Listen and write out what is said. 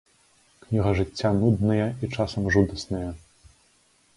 Кніга жыцця нудная і часам жудасная.